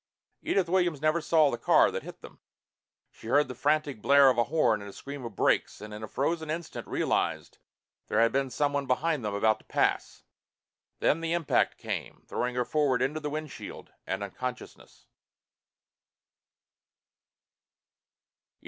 Edith Williams never saw the car that hit them. She heard the frantic blare of a horn and a scream of brakes, and in a frozen instant realized that there had been someone behind them, about to pass. Then the impact came, throwing her forward into the windshield and unconsciousness.